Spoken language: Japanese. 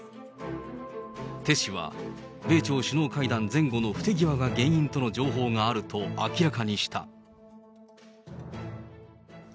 テ氏は、米朝首脳会談前後の不手際が原因との情報があると明らかにした。